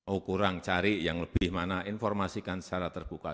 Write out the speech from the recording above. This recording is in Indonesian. oh kurang cari yang lebih mana informasikan secara terbuka